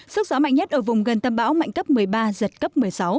sức gió mạnh nhất ở vùng gần tâm bão mạnh cấp một mươi ba giật cấp một mươi sáu